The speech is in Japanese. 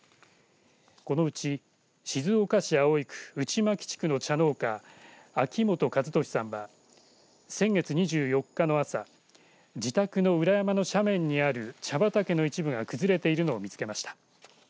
このうち静岡市葵区内牧地区の茶農家秋本和寿は先月２４日の朝自宅の裏山の斜面にある茶畑の一部が崩れているのを見つけました。